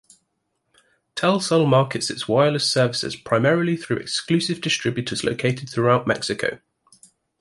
Telcel markets its wireless services primarily through exclusive distributors located throughout Mexico.